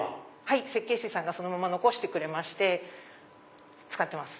設計士さんがそのまま残してくれまして使ってます。